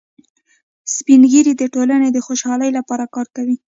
سپین ږیری د ټولنې د خوشحالۍ لپاره کار کوي